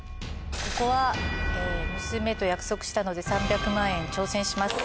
ここは娘と約束したので３００万円挑戦します。